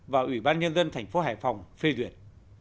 và ủy ban nhân dân thành phố hải phòng phê duyệt